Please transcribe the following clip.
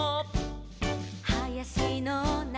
「はやしのなかへ」